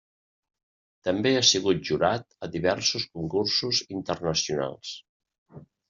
També ha sigut jurat a diversos concursos internacionals.